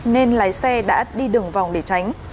nên lái xe đã đi đường vòng để tránh